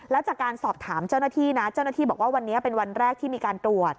แล้วจากการสอบถามเจ้าหน้าที่นะเจ้าหน้าที่บอกว่าวันนี้เป็นวันแรกที่มีการตรวจ